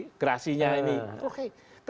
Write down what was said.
ini kerasinya ini oke